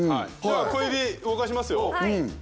小指動かしますよ。